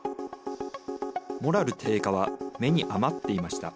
モラル低下は目に余っていました。